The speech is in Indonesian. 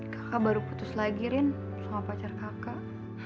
kakak baru putus lagi rin sama pacar kakak